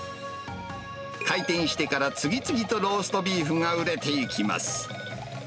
開店してから次々とローストビーフが売れていきます。